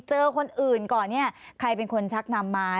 เจอคนอื่นก่อนเนี่ยใครเป็นคนชักนำมา